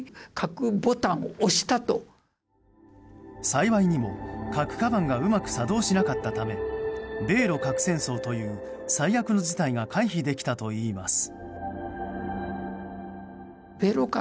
幸いにも核かばんがうまく作動しなかったため米露核戦争という最悪の事態が回避できたといいます。